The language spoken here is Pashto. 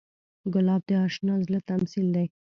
ګلاب د اشنا زړه تمثیل دی.